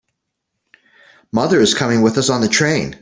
Mother is coming with us on the train.